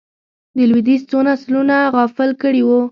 د لوېدیځ څو نسلونه غافل کړي وو.